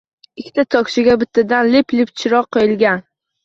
Ikkita tokchaga bittadan lip-lip chiroq qo‘yilgan.